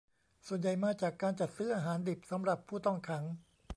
ส่วนใหญ่มาจากการจัดซื้ออาหารดิบสำหรับผู้ต้องขัง